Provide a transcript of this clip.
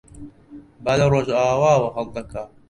با لە ڕۆژاواوە هەڵدەکات.